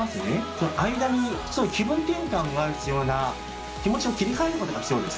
その間にちょっと気分転換が必要な気持ちを切り替えることが必要ですね。